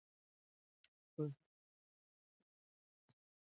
په ټولنه کې د خیر کارونه ترسره کړئ.